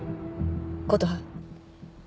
琴葉。